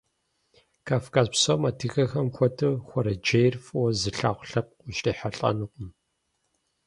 Кавказ псом адыгэхэм хуэдэу хуэрэджейр фӀыуэ зылъагъу лъэпкъ ущрихьэлӀэнукъым.